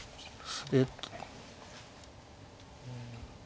えっと。